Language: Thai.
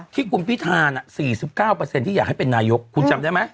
ที่คุณพิธา๔๙ที่อยากให้เป็นนายกคุณจำได้ไหม